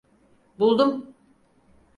Buldum.